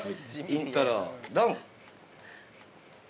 イントロ、ドン。